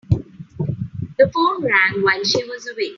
The phone rang while she was awake.